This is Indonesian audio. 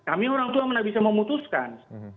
kami orang tua mana bisa memutuskan